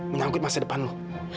menyangkut masa depan lu